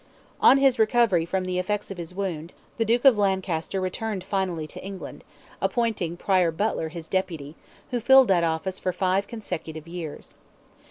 On his recovery from the effects of his wound, the Duke of Lancaster returned finally to England, appointing Prior Butler his Deputy, who filled that office for five consecutive years.